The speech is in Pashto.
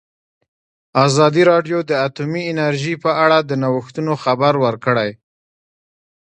ازادي راډیو د اټومي انرژي په اړه د نوښتونو خبر ورکړی.